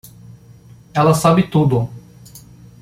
Ela sabe tudo.